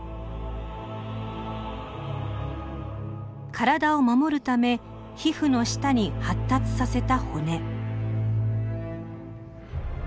体を守るため皮膚の下に発達させた骨。